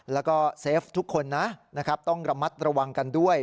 แล้วก็เซฟทุกคนนะต้องระมัดระวังกันด้วย